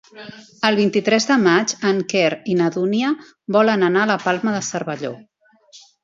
El vint-i-tres de maig en Quer i na Dúnia volen anar a la Palma de Cervelló.